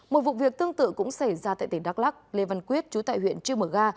một vụ việc tương tự cũng xảy ra tại tỉnh đắk lắc lê văn quyết chú tại huyện trư mở ga